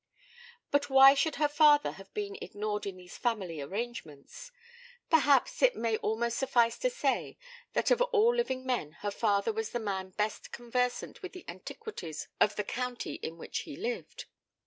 But why should her father have been ignored in these family arrangements? Perhaps it may almost suffice to say, that of all living men her father was the man best conversant with the antiquities of the county in which he lived.